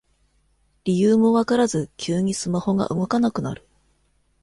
理由もわからず急にスマホが動かなくなる